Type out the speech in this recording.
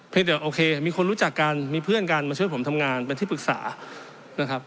เดี๋ยวโอเคมีคนรู้จักกันมีเพื่อนกันมาช่วยผมทำงานเป็นที่ปรึกษานะครับ